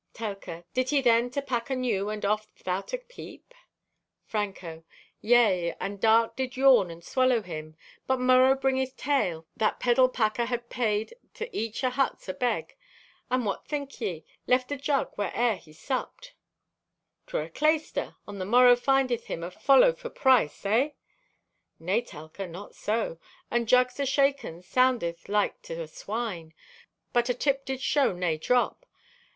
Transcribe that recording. (Telka) "Did he then to pack anew and off 'thout a peep?" (Franco) "Yea, and dark did yawn and swallow him. But morrow bringeth tale that peddle packer had paid to each o' huts a beg, and what think ye? Left a jug where'er, he supped!" (Telka) "'Twere a clayster, and the morrow findeth him afollow for price, egh?" (Franco) "Nay, Telka, not so. And jugs ashaken soundeth like to a wine; but atip did show nay drop.